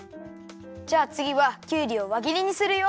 じゃあつぎはきゅうりをわぎりにするよ。